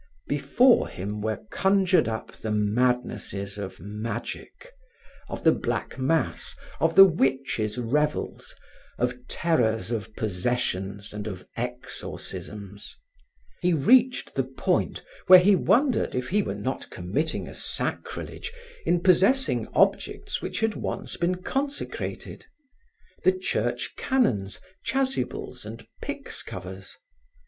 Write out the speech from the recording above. Before him were conjured up the madnesses of magic, of the black mass, of the witches' revels, of terrors of possessions and of exorcisms. He reached the point where he wondered if he were not committing a sacrilege in possessing objects which had once been consecrated: the Church canons, chasubles and pyx covers.